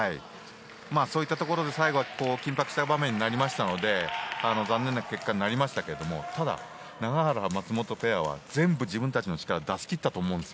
そういったところで、最後は緊迫した場面になりましたので残念な結果になりましたがただ永原、松本ペアは全部自分たちの力を出し切ったと思うんです。